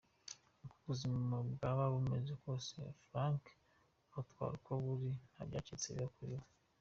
Uko ubuzima bwaba bumeze kose , Frank abutwara uko buri ,nta byacitse iba kuri we.